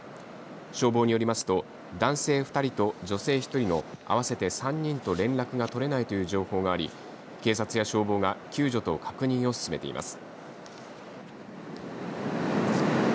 消防によりますと、男性２人と女性１人の合わせて３人と連絡が取れないという情報があり警察や消防が救助と確認を進めています。